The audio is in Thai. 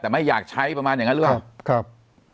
แต่ไม่อยากใช้ประมาณอย่างนั้นหรือเปล่าครับ